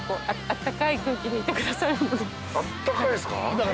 あったかいんすか？